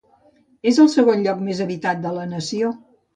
És el segon lloc més habitat de la nació.